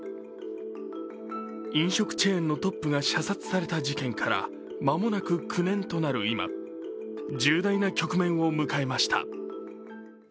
飲食チェーンのトップが射殺された事件から間もなく９年となる今、重大な局面を迎えました。